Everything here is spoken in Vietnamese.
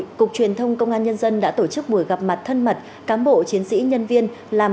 cục truyền thông công an nhân dân đã tổ chức buổi gặp mặt thân mật cám bộ chiến sĩ nhân viên làm